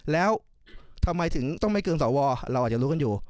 แล้วทำไมถึงต้องไม่เกรงสวเราอาจจะรู้กันอยู่